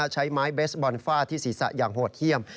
ใช้ไม้เบสบอลฟาดที่ศีรษะอย่างโหดเยี่ยม